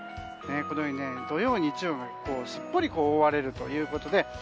このように土曜、日曜がすっぽり覆われるということで。